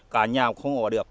cả nhà cũng không ở được